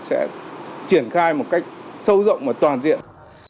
sẽ triển khai một cách sâu rộng và toàn diện